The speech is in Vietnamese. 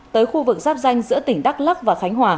tới khu vực giáp danh giữa tỉnh đắk lắc và khánh hòa